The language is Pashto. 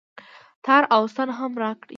تار او ستن هم راکړئ